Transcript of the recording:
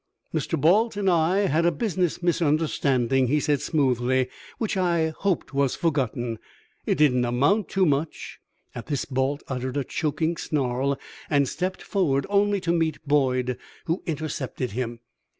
"Mr. Balt and I had a business misunderstanding," he said, smoothly, "which I hoped was forgotten. It didn't amount to much " At this Balt uttered a choking snarl and stepped forward, only to meet Boyd, who intercepted him.